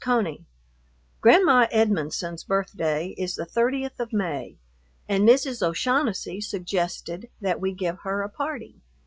CONEY, ... Grandma Edmonson's birthday is the 30th of May, and Mrs. O'Shaughnessy suggested that we give her a party.